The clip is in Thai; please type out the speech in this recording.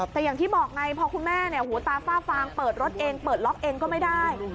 แต่อย่างที่บอกไงพอคุณแม่หูตาฝ้าฟางเปิดรถเองเปิดล็อกเองก็ไม่ได้